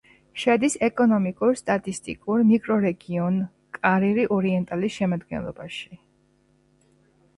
შედის ეკონომიკურ-სტატისტიკურ მიკრორეგიონ კარირი-ორიენტალის შემადგენლობაში.